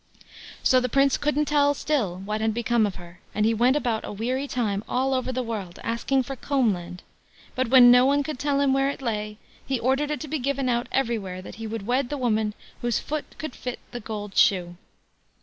So the Prince couldn't tell still what had become of her, and he went about a weary time all over the world asking for "Combland"; but when no one could tell him where it lay, he ordered it to be given out everywhere that he would wed the woman whose foot could fit the gold shoe.